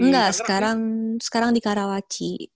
enggak sekarang di karawaci